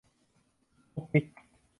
มุกมิก